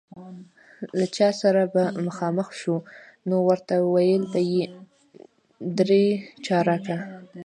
له چا سره به مخامخ شو، نو ورته ویل به یې درې چارکه.